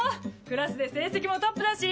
クラスで成績もトップだし